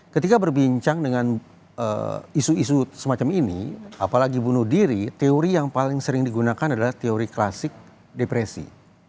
ketika berbincang dengan isu isu semacam ini apalagi bunuh diri teori yang paling sering digunakan adalah teori klasik depresi